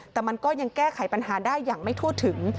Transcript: แต่มันก็ยังแก้ไขปัญหาได้อย่างไม่ทั่วถึง